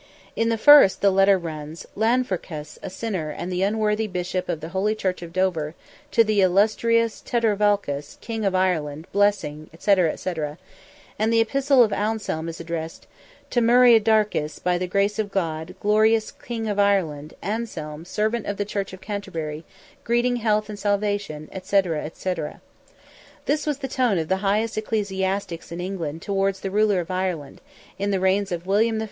In the first, the address runs—"Lanfrancus, a sinner, and the unworthy Bishop of the Holy Church of Dover, to the illustrious Terdelvacus, King of Ireland, blessing," &c., &c. and the epistle of Anselm is addressed—"To Muriardachus, by the grace of God, glorious King of Ireland, Anselm, servant of the Church of Canterbury, greeting health and salvation," &c., &c. This was the tone of the highest ecclesiastics in England towards the ruler of Ireland, in the reigns of William I.